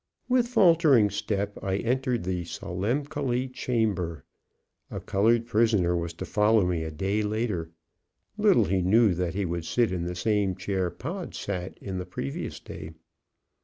With faltering step I entered the solemncholy chamber. A colored prisoner was to follow me a day later. Little he knew that he would sit in the same chair Pod sat in the previous day.